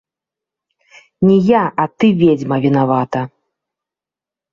Не я, а ты, ведзьма, вінавата!